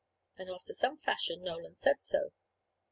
And after some fashion Nolan said so.